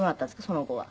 その後は。